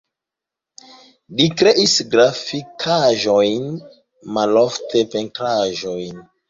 Li kreis grafikaĵojn, malofte pentraĵojn.